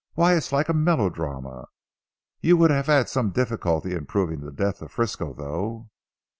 Why! it's like a melodrama. You would have had some difficulty in proving the death of Frisco though."